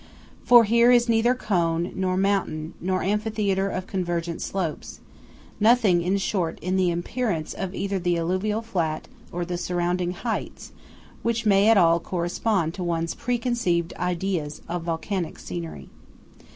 For here is neither cone, nor mountain, nor amphitheatre of convergent slopes; nothing, in short, in the appearance of either the alluvial flat or the surrounding heights which may at all correspond to one's preconceived ideas of volcanic scenery.